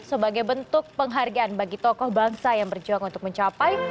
sebagai bentuk penghargaan bagi tokoh bangsa yang berjuang untuk mencapai